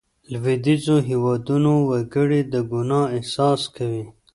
لوېدیځو هېوادونو وګړي د ګناه احساس کوي.